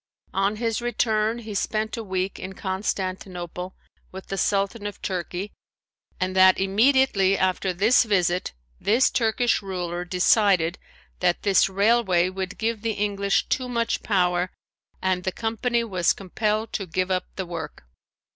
On his return he spent a week in Constantinople with the Sultan of Turkey and that immediately after this visit this Turkish ruler decided that this railway would give the English too much power and the company was compelled to give up the work.